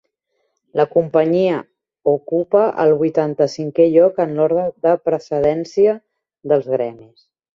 La companyia ocupa el vuitanta-cinquè lloc en l'ordre de precedència dels Gremis.